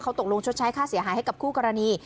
ตกลงชดใช้ค่าเสียหายให้กับคู่กรณี